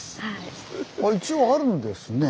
一応あるんですね。